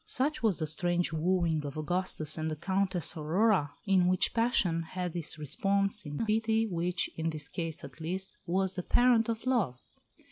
Such was the strange wooing of Augustus and the Countess Aurora, in which passion had its response in a pity which, in this case at least, was the parent of love.